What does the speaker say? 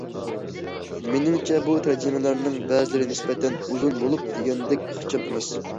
مېنىڭچە بۇ تەرجىمىلەرنىڭ بەزىلىرى نىسبەتەن ئۇزۇن بولۇپ، دېگەندەك ئىخچام ئەمەس.